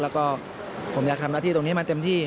แล้วก็ผมอยากทำหน้าที่ตรงนี้มาเต็มที่